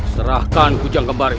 serahkan kujang kembari